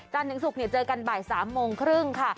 จันทร์ถึงศุกร์เจอกันบ่ายสามโมงครึ่งค่ะ